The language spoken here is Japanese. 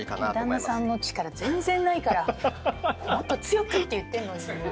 旦那さんの力全然ないからもっと強く！って言ってんのにもう全然。